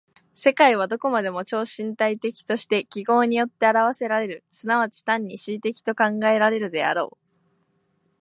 世界はどこまでも超身体的として記号によって表現せられる、即ち単に思惟的と考えられるであろう。